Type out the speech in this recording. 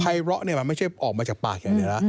ภัยร้อนี่มันไม่ใช่ออกมาจากปากอย่างนี้นะ